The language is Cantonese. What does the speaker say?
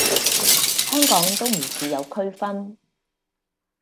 香港都唔似有區分